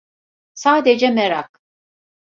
Sadece merak.